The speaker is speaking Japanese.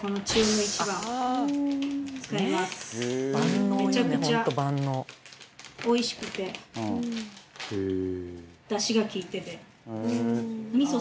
めちゃくちゃ美味しくてダシが利いてて。